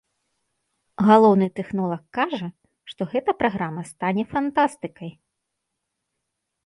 Галоўны тэхнолаг кажа, што гэта праграма стане фантастыкай.